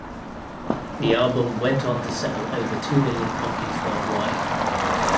The album went on to sell over two million copies worldwide.